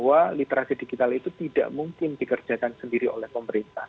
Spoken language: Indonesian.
dari segi peningkatan digital itu tidak mungkin dikerjakan sendiri oleh pemerintah